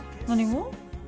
何も。